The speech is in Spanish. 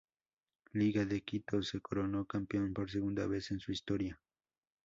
Liga de Quito se coronó campeón por segunda vez en su historia.